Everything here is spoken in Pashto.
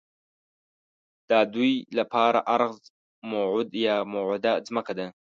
دا ددوی لپاره ارض موعود یا موعوده ځمکه ده.